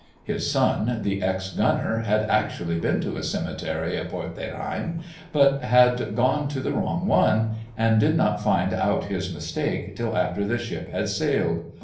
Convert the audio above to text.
His son, the ex Gunner, had actually been to a cemetery at Port des Reines, but had gone to the wrong one, and did not find out his mistake till after the ship had sailed.